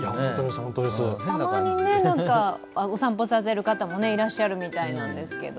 たまに、お散歩させる方もいらっしゃるみたいですけど。